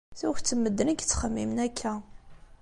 Tuget n medden i yettxemmimen akka.